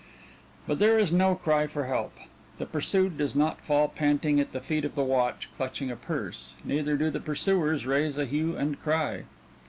But there is no cry for help. The pursued does not fall panting at the feet of the watch, clutching a purse; neither do the pursuers raise a hue and cry.